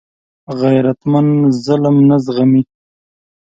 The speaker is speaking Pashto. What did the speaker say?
غیرتمند ظلم نه زغمي